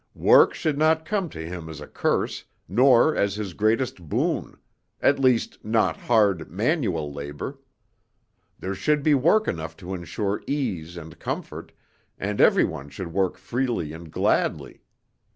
"Work should not come to him as a curse, nor as his greatest boon; at least, not hard, manual labor. There should be work enough to insure ease and comfort, and every one should work freely and gladly.